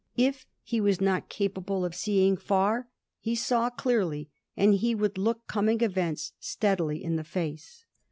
If he was not capable of seeing far, he saw clearly, and he could look coming events steadily in the face.